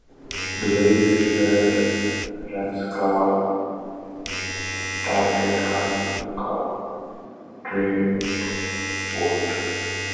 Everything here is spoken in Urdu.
دبئی پچ پر رنز کا ٹارگٹ کافی ہو گا ٹرینٹ بولٹ